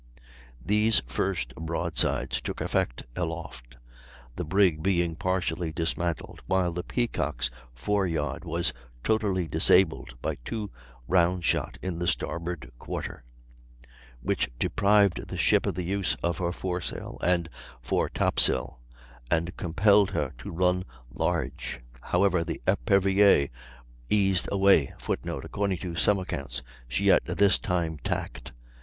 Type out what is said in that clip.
These first broadsides took effect aloft, the brig being partially dismantled, while the Peacock's fore yard was totally disabled by two round shot in the starboard quarter, which deprived the ship of the use of her fore sail and fore top sail, and compelled her to run large. However, the Epervier eased away [Footnote: According to some accounts she at this time tacked.